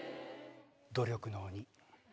努力の鬼。